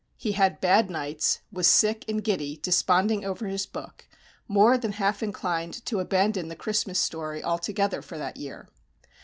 He had "bad nights," was "sick and giddy," desponding over his book, more than half inclined to abandon the Christmas story altogether for that year.